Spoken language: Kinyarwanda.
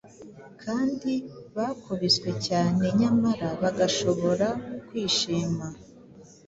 kandi bakubiswe cyane nyamara bagashobora kwishima.